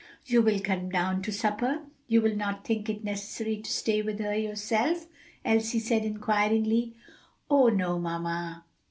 "You will come down to supper? you will not think it necessary to stay with her yourself?" Elsie said inquiringly. "Oh, no, mamma!